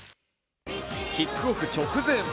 キックオフ直前。